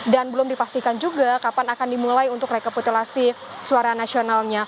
dan belum dipastikan juga kapan akan dimulai untuk rekapitulasi hasil suara nasional